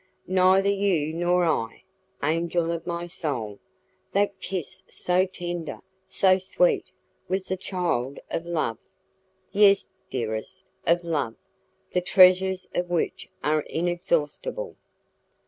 "Neither you nor I, angel of my soul! That kiss so tender, so sweet, was the child of love!" "Yes, dearest, of love, the treasures of which are inexhaustible."